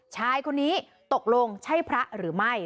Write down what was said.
ชายคนนี้ตกลงใช่พระหรือไม่